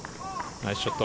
ナイスショット。